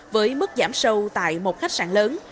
với mức giảm sâu tại một khách sạn lớn